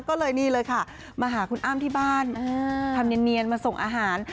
ก็เลยนี่เลยค่ะมาหาคุณอ้ำที่บ้านทำเนียนมาส่งอาหาร